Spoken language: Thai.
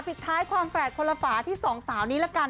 ปิดท้ายความแฝดคนละฝาที่สองสาวนี้ละกัน